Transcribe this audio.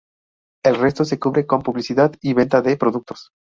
El resto se cubre con publicidad y venta de productos.